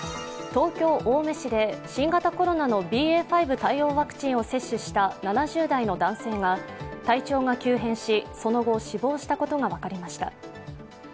東京・青梅市で新型コロナのＢＡ．５対応ワクチンを接種した７０代の男性が体調が急変し、その後死亡したことが分かりました。